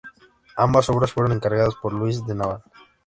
Ambas obras fueron encargadas por Louis de Laval.